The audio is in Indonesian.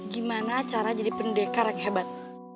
gimana cara jadi pendekar yang hebat